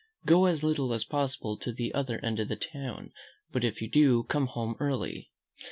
Go as little as possible to the other end of the town; but if you do, come home early.